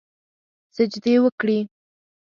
سجدې وکړي